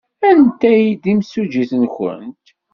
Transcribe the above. Anta ay d timsujjit-nwent?